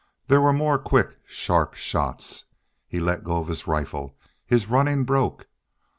There were more quick, sharp shots. He let go of his rifle. His running broke.